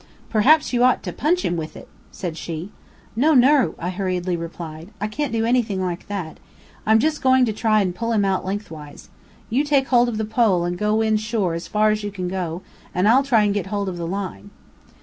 "Perhaps you ought to punch him with it," said she. "No! no!" I hurriedly replied, "I can't do anything like that. I'm going to try to just pull him out lengthwise. You take hold of the pole and go in shore as far as you can and I'll try and get hold of the line."